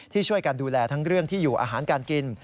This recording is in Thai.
ที่ช่วยกันดูแลทั้งเรื่องที่อยู่อาหารการกิน